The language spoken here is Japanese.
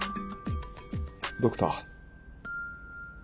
ドクター。